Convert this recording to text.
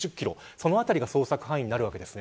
その辺りが捜索範囲になるわけです。